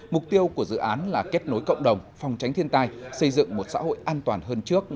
mục tiêu của dự án là kết nối cộng đồng phòng tránh thiên tai xây dựng một xã hội an toàn hơn trước